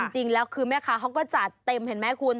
จริงแล้วคือแม่ค้าเขาก็จัดเต็มเห็นไหมคุณ